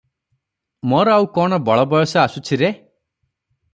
ମୋର କଣ ଆଉ ବଳ ବୟସ ଆସୁଛି ରେ?